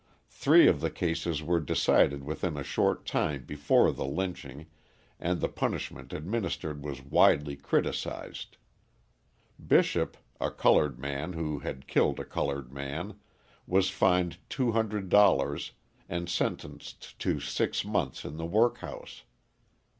Three of the cases were decided within a short time before the lynching and the punishment administered was widely criticised. Bishop, a coloured man who had killed a coloured man, was fined $200 and sentenced to six months in the workhouse.